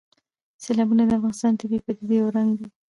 سیلابونه د افغانستان د طبیعي پدیدو یو رنګ دی.